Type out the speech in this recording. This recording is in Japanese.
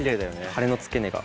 はねの付け根が。